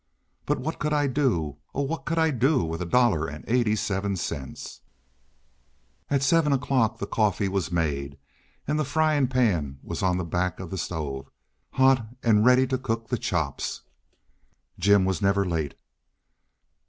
But what could I do—oh! what could I do with a dollar and eighty seven cents?" At 7 o'clock the coffee was made and the frying pan was on the back of the stove hot and ready to cook the chops. Jim was never late.